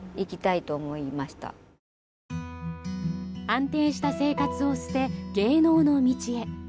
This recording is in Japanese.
安定した生活を捨て芸能の道へ。